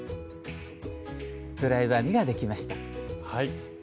ドライブ編みができました。